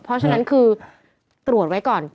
เพราะฉะนั้นคือตรวจไว้ก่อน